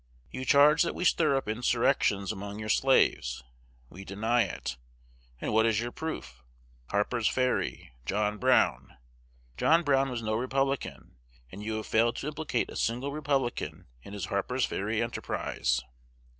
You charge that we stir up insurrections among your slaves. We deny it. And what is your proof? Harper's Ferry! John Brown! John Brown was no Republican; and you have failed to implicate a single Republican in his Harper's Ferry enterprise.